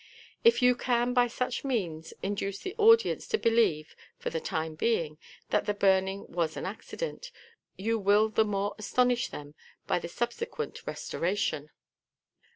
If you can by such means induce the audience to believe, for the time being, that the burning was an accident, you will the more astonish them by the subsequent restoration.